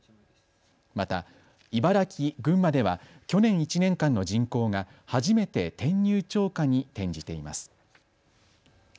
また茨城、群馬では去年１年間の人口が初めて転入超過に転じています。